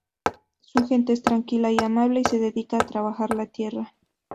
Su gente es tranquila y amable y se dedican a trabajar la tierra.